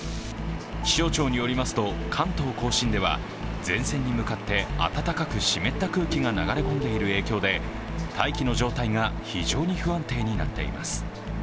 気象庁によりますと、関東甲信では前線に向かって暖かく湿った空気が流れ込んでいる影響で大気の状態が非常に不安定になっています。